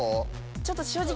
ちょっと正直。